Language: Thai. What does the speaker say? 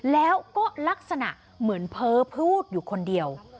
แล้วก็ลักษณะเหมือนเพ้อพูดอยู่คนเดียว